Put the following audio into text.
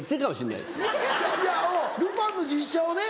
いやおうルパンの実写をね